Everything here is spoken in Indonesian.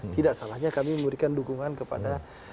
tidak salahnya kami memberikan dukungan kepada